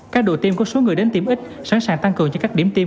các đội tiêm có số người đến tiêm ít sẵn sàng tăng cường cho các điểm tiêm